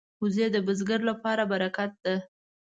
وزې د بزګر لپاره برکت ده